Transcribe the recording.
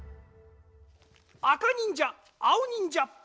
あかにんじゃあおにんじゃ。